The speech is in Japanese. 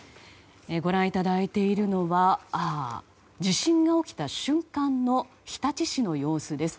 ご覧いただいているのは地震が起きた瞬間の日立市の様子です。